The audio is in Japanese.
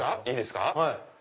いいですか。